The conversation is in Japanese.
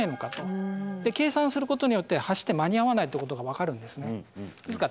で計算することによって走って間に合わないってことが分かるんですね。